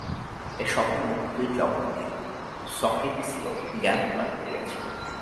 এই সকল মুহূর্তই জগৎকে সক্রেটিসীয় জ্ঞান প্রদান করিয়াছে।